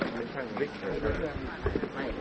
ผมไม่ได้ทำอะไรผิดครับ